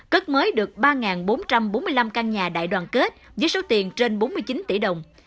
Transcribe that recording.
cất mới được ba bốn trăm bốn mươi năm căn nhà đại đoàn kết với số tiền trên bốn mươi chín tỷ đồng